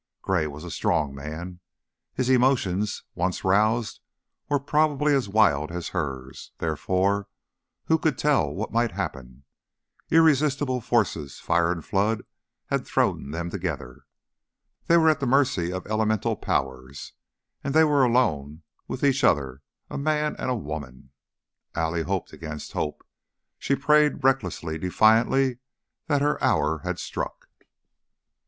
Gray was a strong man; his emotions, once roused, were probably as wild as hers, therefore who could tell what might happen? Irresistible forces, fire and flood, had thrown them together. They were at the mercy of elemental powers, and they were alone with each other a man and a woman. Allie hoped against hope; she prayed recklessly, defiantly, that her hour had struck.